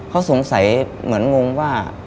เขาสงสัยเหมือนงงว่า